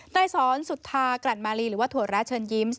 นายสอนสุธากลั่นมาลีหรือว่าถั่วแร้เชิญยิ้ม